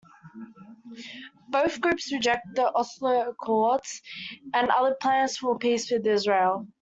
Both groups reject the Oslo Accords and other plans for peace with Israel.